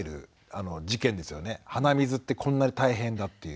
鼻水ってこんなに大変だという。